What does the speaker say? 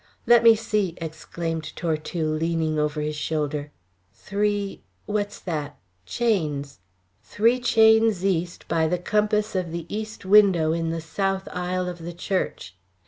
"Let me see!" exclaimed Tortue, leaning over his shoulder. "Three what's that? chains. Three chains east by the compass of the east window in the south aisle of the church."